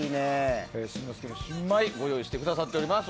新米をご用意してくださってます。